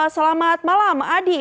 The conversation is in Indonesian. selamat malam adi